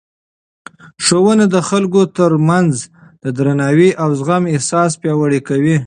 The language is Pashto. ښوونه د خلکو ترمنځ د درناوي او زغم احساس پیاوړی کوي.